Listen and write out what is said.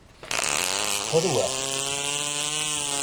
Cqerwaɣ-k.